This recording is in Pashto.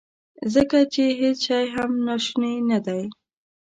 ځکه چې هیڅ شی هم ناشونی ندی.